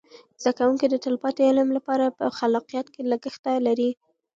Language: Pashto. زده کوونکي د تلپاتې علم لپاره په خلاقیت کې لګښته لري.